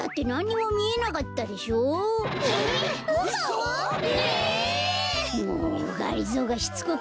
もうがりぞーがしつこく